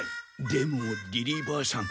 でもリリーばあさん